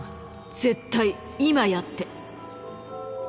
絶対今やって！